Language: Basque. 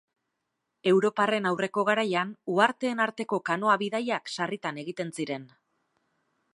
Europarren aurreko garaian, uharteen arteko kanoa bidaiak sarritan egiten ziren.